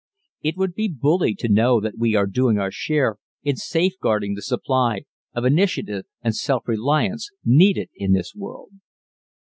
It would be bully to know that we are doing our share in safeguarding the supply of Initiative and Self reliance needed in this world.